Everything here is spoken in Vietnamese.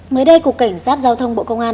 mới đây cục cảnh sát giao thông bộ công an